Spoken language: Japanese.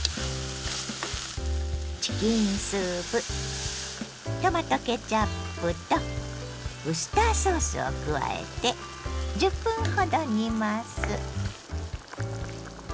チキンスープトマトケチャップとウスターソースを加えて１０分ほど煮ます。